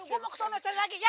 gue mau kesana cari lagi ya